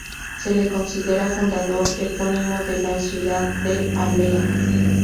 Se le considera fundador epónimo de la ciudad de Alea.